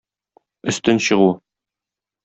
Өстен чыгу.